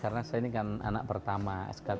karena saya ini kan anak pertama